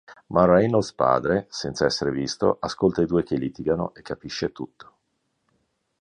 Ma Reynolds padre, senza essere visto, ascolta i due che litigano e capisce tutto.